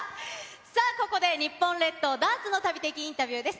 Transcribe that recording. さあ、ここで日本列島ダーツの旅的インタビューです。